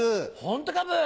ホントかブ。